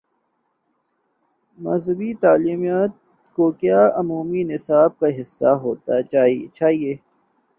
مذہبی تعلیمات کو کیا عمومی نصاب کا حصہ ہو نا چاہیے؟